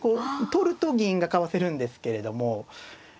取ると銀がかわせるんですけれども。